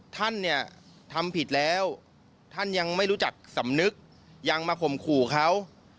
ท่านเนี่ยทำผิดแล้วท่านยังไม่รู้จักสำนึกยังมาข่มขู่เขา